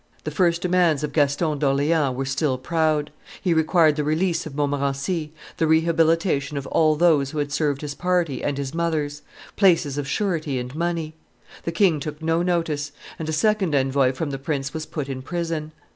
The first demands of Gaston d'Orleans were still proud; he required the release of Montmorency, the rehabilitation of all those who had served his party and his mother's, places of surety and money. The king took no notice; and a second envoy from the prince was put in prison.